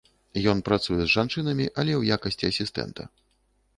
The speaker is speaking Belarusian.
Ён працуе з жанчынамі, але ў якасці асістэнта.